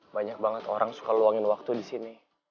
banyak banget orang suka luangin waktu disini